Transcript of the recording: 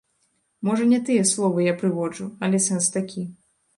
Можа не тыя словы я прыводжу, але сэнс такі.